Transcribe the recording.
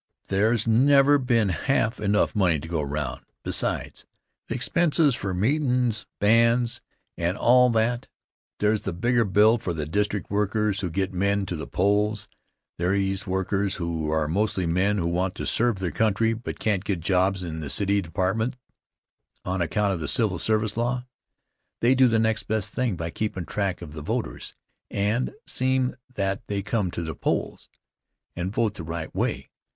There's never been half enough money to go around. Besides the expenses for meetin's, bands and all that, there's the bigger bill for the district workers who get men to the polls. These workers are mostly men who want to serve their country but can't get jobs in the city departments on account of the civil service law. They do the next best thing by keepin' track of the voters and seem' that they come to the polls and vote the right way.